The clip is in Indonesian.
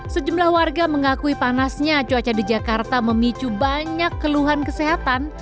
sejumlah warga mengakui panasnya cuaca di jakarta memicu banyak keluhan kesehatan